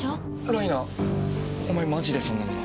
ライナお前マジでそんなもの。